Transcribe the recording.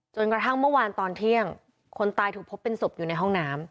กระทั่งเมื่อวานตอนเที่ยงคนตายถูกพบเป็นศพอยู่ในห้องน้ำ